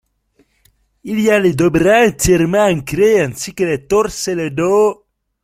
Il a les deux bras entièrement encrés ainsi que le torse et le dos.